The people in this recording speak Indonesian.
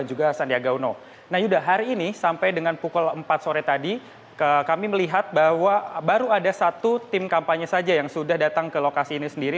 nah yuda hari ini sampai dengan pukul empat sore tadi kami melihat bahwa baru ada satu tim kampanye saja yang sudah datang ke lokasi ini sendiri